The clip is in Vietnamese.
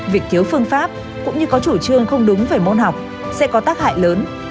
việc thiếu phương pháp cũng như có chủ trương không đúng về môn học sẽ có tác hại lớn